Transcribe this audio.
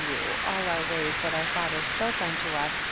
99 you all our ways that our father spoke unto us.